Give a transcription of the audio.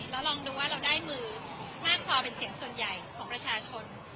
แล้วลองดูว่าเราได้มือมากพอเป็นเสียงส่วนใหญ่ของประชาชน